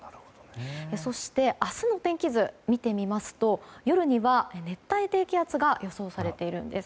そして、明日の天気図を見てみますと夜には熱帯低気圧が予想されています。